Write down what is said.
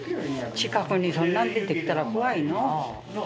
近くにそんなん出てきたら怖いのう。